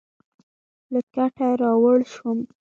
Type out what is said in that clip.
له کټه راولاړ شوم.